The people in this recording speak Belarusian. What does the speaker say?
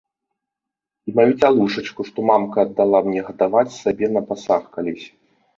І маю цялушачку, што мамка аддала мне гадаваць сабе на пасаг калісь.